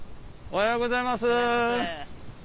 おはようございます。